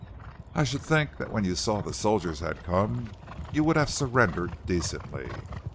I should think that when you saw the soldiers had come you would have surrendered decently.